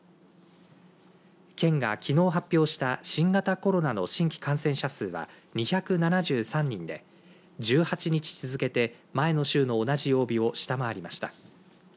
県がきのう発表した新型コロナの新規感染者数は２７３人で１８日続けて前の週の同じ曜日を下回りました。